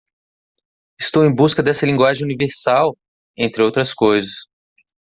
Estou em busca dessa linguagem universal? entre outras coisas.